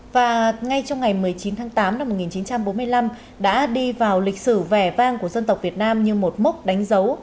và ngay trong ngày một mươi chín tháng tám năm một nghìn chín trăm bốn mươi năm đã đi vào lịch sử vẻ vang của dân tộc việt nam như một mốc đánh dấu